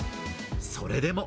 それでも。